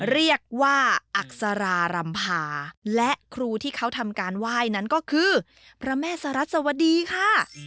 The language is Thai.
เรียกว่าอักษรารำพาและครูที่เขาทำการไหว้นั้นก็คือพระแม่สรัสวดีค่ะ